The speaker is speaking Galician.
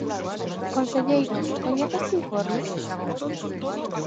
Conselleiro, ¿coñece este informe?